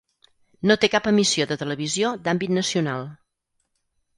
No té cap emissió de televisió d'àmbit nacional.